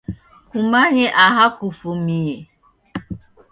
Kumanye aha kufumie.